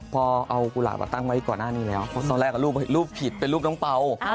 พอเอากุหลาบมาตั้งไว้ก่อนหน้านี้แล้วเพราะตอนแรกรูปผิดเป็นรูปน้องเปล่า